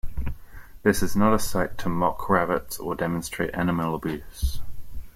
This is not a site to mock rabbits, or demonstrate animal abuse.